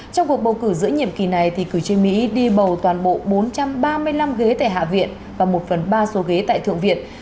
trong cuộc bầu cử giữa nhiệm kỳ này cử tri mỹ đi bầu toàn bộ bốn trăm ba mươi năm ghế tại hạ viện và một phần ba số ghế tại thượng viện